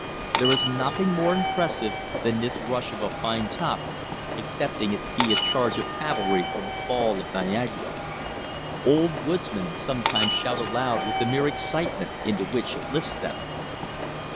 There is nothing more impressive than this rush of a pine top, excepting it be a charge of cavalry or the fall of Niagara. Old woodsmen sometimes shout aloud with the mere excitement into which it lifts them.